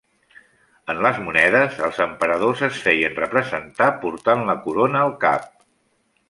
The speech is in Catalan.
En les monedes els emperadors es feien representar portant la corona al cap.